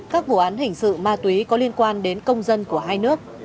các vụ án hình sự ma túy có liên quan đến công dân của hai nước